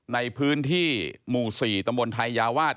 ในพื้นที่หมู่๔ตำบลไทยยาวาส